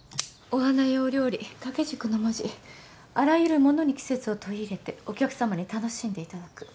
お花やお料理掛け軸の文字あらゆるものに季節を取り入れてお客さまに楽しんでいただく。